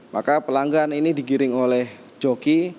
maka pelanggan ini digiring oleh joki